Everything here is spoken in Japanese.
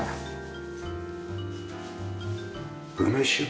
梅酒？